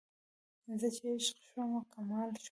زه چې عشق شومه کمال شوم